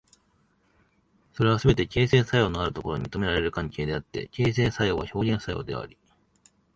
それはすべて形成作用のあるところに認められる関係であって、形成作用は表現作用であり、